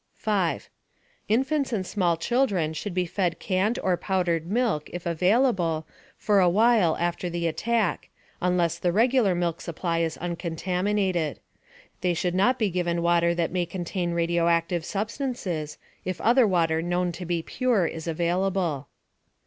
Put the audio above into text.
5. Infants and small children should be fed canned or powdered milk (if available) for awhile after the attack, unless the regular milk supply is uncontaminated. They should not be given water that may contain radioactive substances, if other water known to be pure is available.